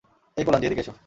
এই কোলাঞ্জি, এদিকে এসো।